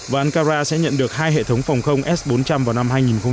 và ankara sẽ nhận được hai hệ thống phòng không s bốn trăm linh vào năm hai nghìn hai mươi